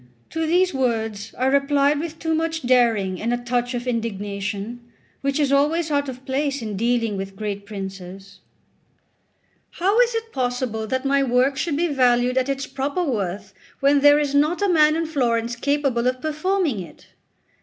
To these words I replied with too much daring and a touch of indignation, which is always out of place in dealing with great princes: "How is it possible that my work should be valued at its proper worth when there is not a man in Florence capable of performing it?"